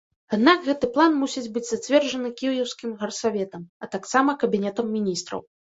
Аднак гэты план мусіць быць зацверджаны кіеўскім гарсаветам, а таксама кабінетам міністраў.